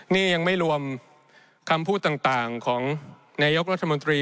นี่ยังไม่รวมคำพูดต่างของนายกรัฐมนตรี